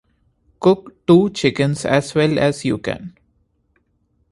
Cook two chickens as well as you can.